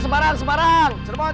ledang ledang ledang